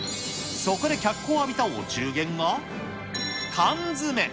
そこで脚光を浴びたお中元が、缶詰。